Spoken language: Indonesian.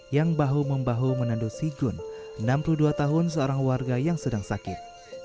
yang bahu membahu menandu sigun enam puluh dua tahun seorang warga yang sedang sakit